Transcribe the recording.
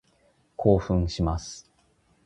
興奮します。